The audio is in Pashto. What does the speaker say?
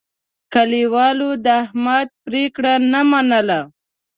کلیوالو د احمد پرېکړه نه منله.